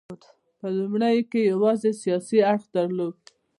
په لومړیو کې یوازې سیاسي اړخ درلود